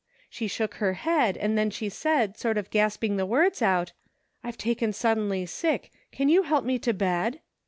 She shook her head, and then she said, sort of gasping the words out, ' I'm taken suddenly sick ; can you help me to bed.?'